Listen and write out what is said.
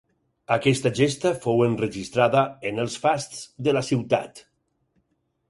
Aquesta gesta fou enregistrada en els fasts de la ciutat.